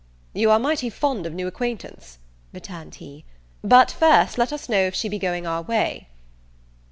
"You are mighty fond of new acquaintance," returned he; "but first let us know if she be going our way."